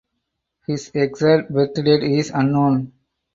His exact birth date is unknown.